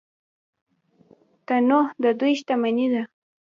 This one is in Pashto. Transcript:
تنوع د دوی شتمني ده.